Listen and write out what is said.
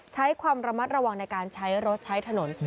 ใช้ความระมัดระวังในการใช้รถใช้ถนน